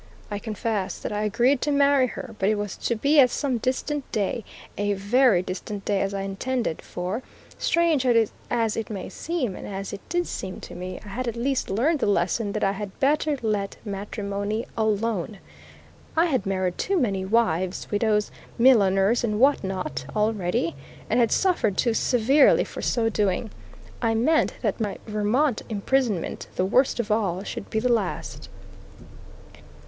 I confess that I agreed to marry her; but it was to be at some distant day a very distant day as I intended for, strange as it may seem, and as it did seem to me, I had at last learned the lesson that I had better let matrimony alone. I had married too many wives, widows, milliners, and what not, already, and had suffered too severely for so doing. I meant that my Vermont imprisonment, the worst of all, should be the last.